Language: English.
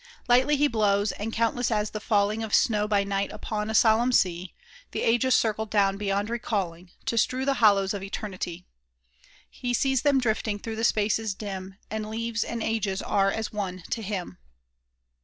Lightly He blows, and countless as the falling Of snow by night upon a solemn sea, The ages circle down beyond recalling, To strew the hollows of Eternity. He sees them drifting through the spaces dim, And leaves and ages are as one to Him."